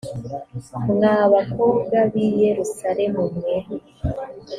mwa bakobwa b i yerusalemu mwe